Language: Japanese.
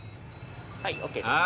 はいＯＫです。